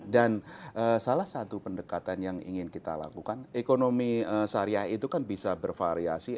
dan salah satu pendekatan yang ingin kita lakukan ekonomi syariah itu kan bisa bervariasi